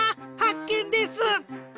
はっけんです！